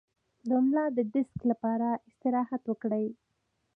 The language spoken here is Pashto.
د ملا د ډیسک لپاره استراحت وکړئ